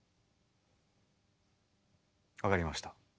分かりました。